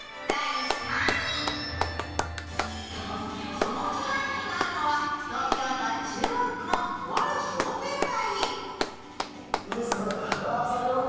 その自販機があるのは、東京都中央区のとある商店街。